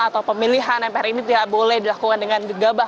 atau pemilihan mpr ini tidak boleh dilakukan dengan gegabah